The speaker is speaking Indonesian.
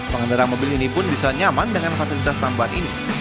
pengendara mobil ini pun bisa nyaman dengan fasilitas tambahan ini